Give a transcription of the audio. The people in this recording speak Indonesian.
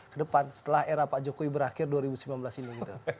kedepan setelah era pak jokowi berakhir dua ribu sembilan belas ini